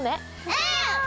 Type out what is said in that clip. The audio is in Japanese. うん！